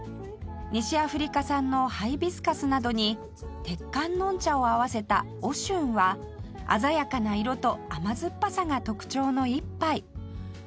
西アフリカ産のハイビスカスなどに鉄観音茶を合わせたオシュンは鮮やかな色と甘酸っぱさが特徴の一杯